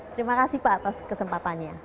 terima kasih pak atas kesempatannya